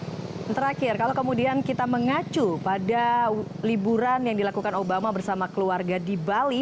dan terakhir kalau kemudian kita mengacu pada liburan yang dilakukan obama bersama keluarga di bali